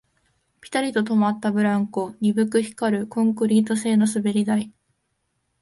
ピタリと止まったブランコ、鈍く光るコンクリート製の滑り台